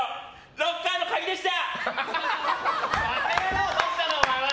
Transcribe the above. ロッカーの鍵でした！